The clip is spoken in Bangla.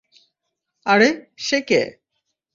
আরে, সে কে?